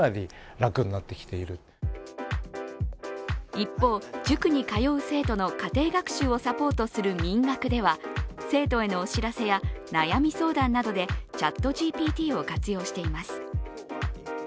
一方、塾に通う生徒の家庭学習をサポートするみんがくでは、生徒へのお知らせや悩み相談などでＣｈａｔＧＰＴを活用しています。